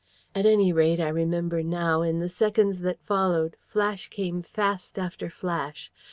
At any rate, I remember now, in the seconds that followed, flash came fast after flash.